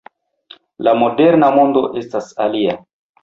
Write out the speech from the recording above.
La moderna mondo estas alia.